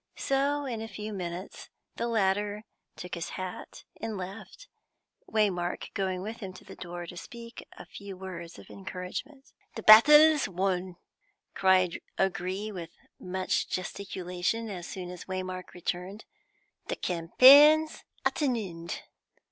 So, in a few minutes, the latter took his hat and left, Waymark going with him to the door to speak a few words of encouragement. "The battle's won!" cried O'Gree, with much gesticulation, as soon as Waymark returned. "The campaign's at an end!